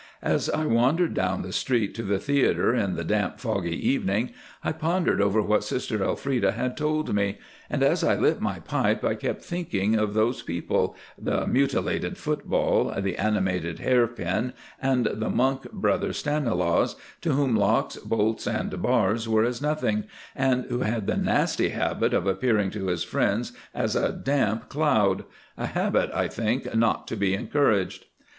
As I wandered down the street to the theatre in the damp foggy evening I pondered over what Sister Elfreda had told me, and as I lit my pipe I kept thinking of those people—"The Mutilated Football," "The Animated Hairpin," and the "Monk Brother Stanilaus," to whom locks, bolts and bars were as nothing, and who had the nasty habit of appearing to his friends as a damp cloud—a habit, I think, not to be encouraged.